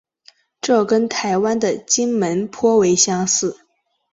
这跟台湾的金门颇为相似。